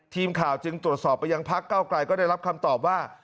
ทีมข่าวจึงตรวจสอบไปยังพักเก้าไกลก็ได้รับคำตอบว่า